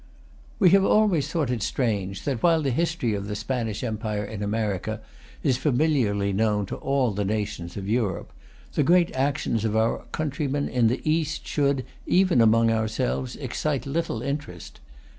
WE have always thought it strange that, while the history of the Spanish empire in America is familiarly known to all the nations of Europe, the great actions of our countrymen in the East should, even among ourselves, excite little interest.